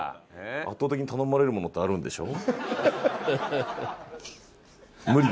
圧倒的に頼まれるものってあるんでしょ？